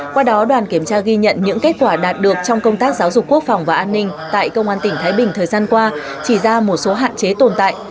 qua đó đoàn kiểm tra ghi nhận những kết quả đạt được trong công tác giáo dục quốc phòng và an ninh tại công an tỉnh thái bình thời gian qua chỉ ra một số hạn chế tồn tại